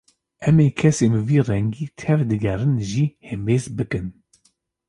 Em ê kesên bi vî rengî tevdigerin jî hembêz bikin